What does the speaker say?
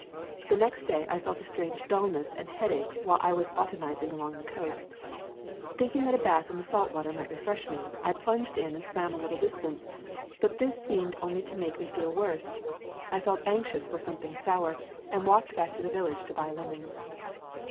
The next day I felt a strange dullness and headache while I was botanizing along the coast. Thinking that a bath in the salt water might refresh me, I plunged in and swam a little dis tance, but this seemed only to make me feel { 126 ] Cedar Keys worse. I felt anxious for something sour, and walked back to the village to buy lemons.